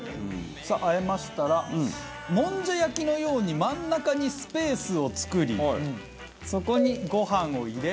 さああえましたらもんじゃ焼きのように真ん中にスペースを作りそこにご飯を入れ。